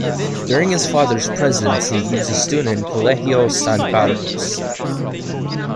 During his father's presidency, he was a student in Colegio San Carlos.